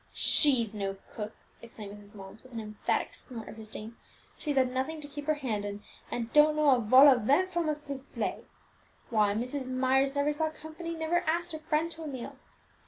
"She's no cook!" exclaimed Mrs. Mullins, with an emphatic snort of disdain: "she's had nothing to keep her hand in, and don't know a vol au vent from a soufflet! Why, Mrs. Myers never saw company, never asked a friend to a meal!